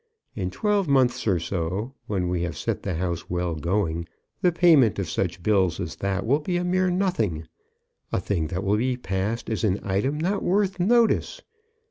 In twelve months or so, when we have set the house well going, the payment of such bills as that will be a mere nothing, a thing that will be passed as an item not worth notice.